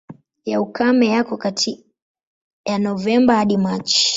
Ya ukame yako kati ya Novemba hadi Machi.